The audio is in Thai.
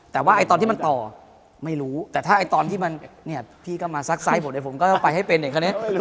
แต่ว่าไอ้ตอนที่มันต่อไม่รู้แต่ถ้าไอ้ตอนที่มันเนี่ยพี่ก็มาซักซ้ายผมผมก็ไปให้เป็นเองค่ะเนี่ย